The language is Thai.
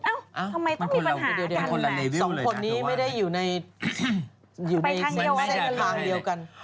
ทำไมต้องมีปัญหากันเนี่ยเดี๋ยวสองคนนี้ไม่ได้อยู่ในทางเดียวกัน